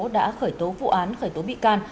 đã khởi tố vụ án khởi tố bị can